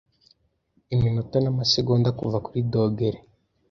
iminotan'amasegonda kuva kuri dogere